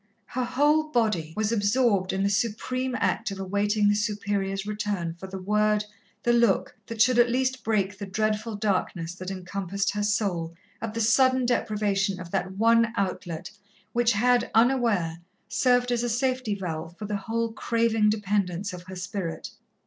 Her whole body was absorbed in the supreme act of awaiting the Superior's return for the word, the look, that should at least break the dreadful darkness that encompassed her soul at the sudden deprivation of that one outlet which had, unaware, served as a safety valve for the whole craving dependence of her spirit.